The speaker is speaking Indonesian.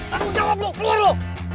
tanggung jawab lo keluar lo